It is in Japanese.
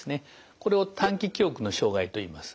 これを短期記憶の障害といいます。